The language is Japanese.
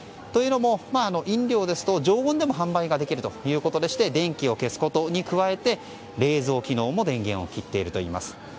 というのも飲料ですと常温でも販売ができるということでして電気を消すことに加えて冷蔵機能も電源を切っているといいます。